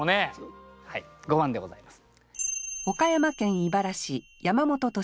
５番でございます。